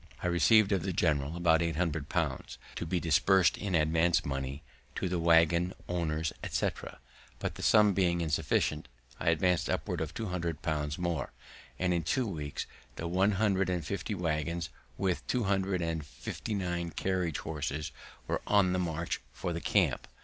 I received of the general about eight hundred pounds, to be disbursed in advance money to the waggon owners, etc.; but that sum being insufficient, I advanc'd upward of two hundred pounds more, and in two weeks the one hundred and fifty waggons, with two hundred and fifty nine carrying horses, were on their march for the camp.